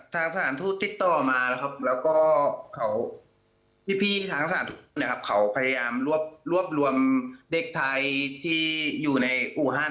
ทางสถานทูตติดต่อมาแล้วก็พี่ทางสถานทูตพยายามรวบรวมเด็กไทยที่อยู่ในอุหัน